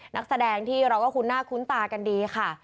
นักแสดงที่เราก็คุ้นหน้าคุ้นตากันดีค่ะ